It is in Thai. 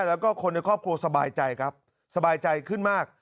แล้วก็คนในครอบครัวสบายใจครับสบายใจขึ้นมาก